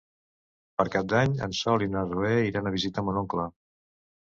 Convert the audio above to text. Per Cap d'Any en Sol i na Zoè iran a visitar mon oncle.